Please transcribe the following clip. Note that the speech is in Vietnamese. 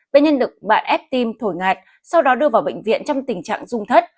bệnh nhân được bạn ép tim thổi ngạt sau đó đưa vào bệnh viện trong tình trạng dung thất